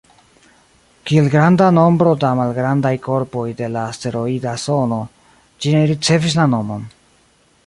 Kiel granda nombro da malgrandaj korpoj de la asteroida zono, ĝi ne ricevis nomon.